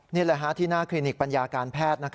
นี่แหละที่หน้าคลินิกปัญญาการแพทย์